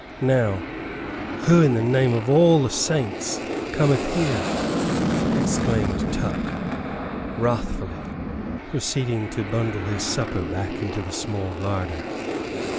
"Now, who, in the name of all the saints, cometh here?" exclaimed Tuck, wrathfully, proceeding to bundle his supper back into the small larder.